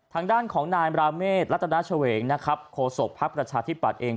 ทางด้านของนายบราเมฆรัฐนาชาเวงโคสกพักฯประชาธิปัตย์เอง